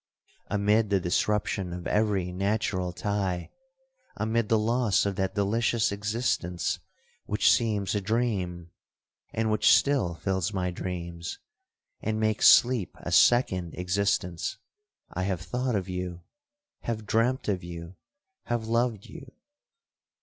Amid the disruption of every natural tie,—amid the loss of that delicious existence which seems a dream, and which still fills my dreams, and makes sleep a second existence,—I have thought of you—have dreamt of you—have loved you!'